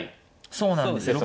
そうなんですよ。